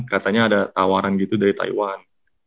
katanya ada tawaran gitu dari taiwan